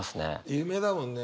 有名だもんね。